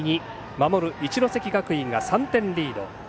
守る一関学院が３点リード。